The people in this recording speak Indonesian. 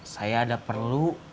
saya ada perlu